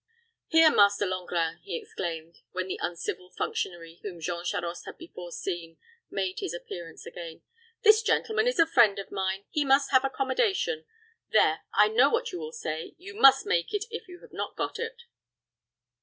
"Here, Master Langrin," he exclaimed, when the uncivil functionary whom Jean Charost had before seen made his appearance again, "this gentleman is a friend of mine. He must have accommodation there, I know what you would say. You must make it, if you have not got it."